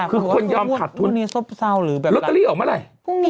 ทุกคนยอมถัดทุนรอตเตอรี่ออกมาไหนหรือแบบนั้นพรุ่งนี้ครับ